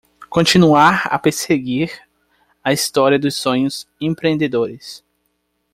Continuar a perseguir a história dos sonhos empreendedores